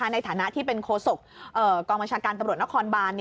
ในฐานะที่เป็นโคศกกองบัญชาการตำรวจนครบาน